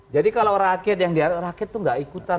jadi kalau rakyat yang diarahin rakyat itu enggak ikutan bos